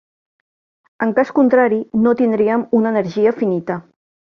En cas contrari, no tindríem una energia finita.